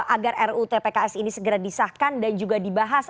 agar rut pks ini segera disahkan dan juga dibahas